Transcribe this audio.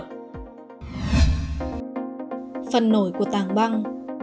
phần nổi của tàng băng